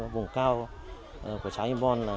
vùng cao của trái nhân vôn